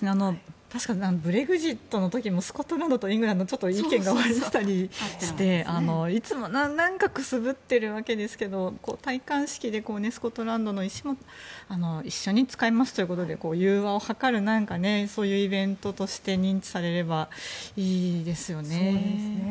ブレグジットの時もスコットランドとイングランド意見が割れていたりしていつも何かくすぶってるわけですけど戴冠式でスコットランドの石も一緒に使いますということで融和を図るそういうイベントとして認知されればいいですよね。